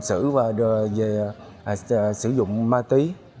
xử dụng ma tí